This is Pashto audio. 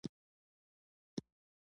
د سپرې په غره کښي لوی مار و.